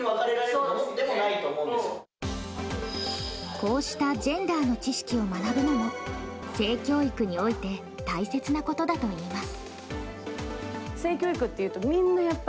こうしたジェンダーの知識を学ぶのも性教育において大切なことだといいます。